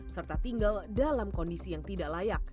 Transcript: serta tinggal dalam kondisi yang tidak layak